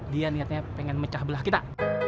dia niatnya pengen mecah belah kita